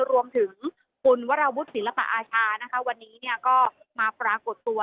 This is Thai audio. รวมถึงคุณวราวุฒิศิลปะอาชาวันนี้ก็มาปรากฏตัว